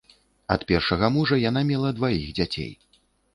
Ад першага мужа яна мела дваіх дзяцей.